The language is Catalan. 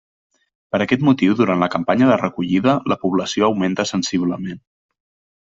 Per aquest motiu durant la campanya de recollida, la població augmenta sensiblement.